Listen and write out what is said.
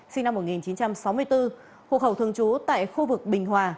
sinh năm một nghìn chín trăm sáu mươi bốn hộ khẩu thường trú tại khu vực bình hòa